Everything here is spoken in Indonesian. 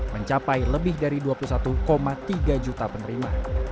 mencapai lebih dari dua puluh satu tiga juta penerima